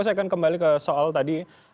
saya akan kembali ke soal tadi